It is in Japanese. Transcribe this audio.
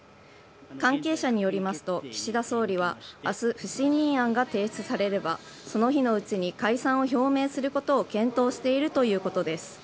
関係者によりますと岸田総理は明日不信任案が提出されればその日のうちに解散を表明することを検討しているということです。